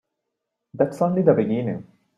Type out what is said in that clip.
That's only the beginning.